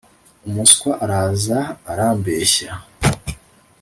umuswa araza arambeshya